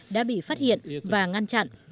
đã bị phát hiện và ngăn chặn